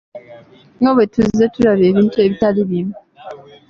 Nga bwe tuzze tulaba ebintu ebitali bimu.